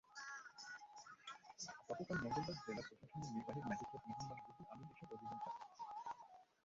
গতকাল মঙ্গলবার জেলা প্রশাসনের নির্বাহী ম্যাজিস্ট্রেট মোহাম্মাদ রুহুল আমীন এসব অভিযান চালান।